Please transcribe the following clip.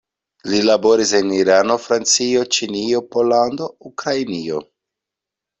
Li laboris en Irano, Francio, Ĉinio, Pollando, Ukrainio.